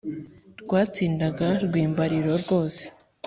rwatsindaga rwimbariro, rwose